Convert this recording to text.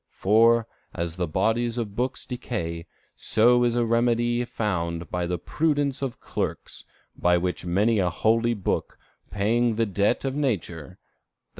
For, as the bodies of books decay, so a remedy is found out by the prudence of clerks, by which a holy book paying the debt of nature [_i.